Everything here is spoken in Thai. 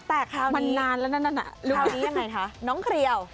แต่คราวนี้มันนานแล้วนั้นคราวนี้ยังไงคะ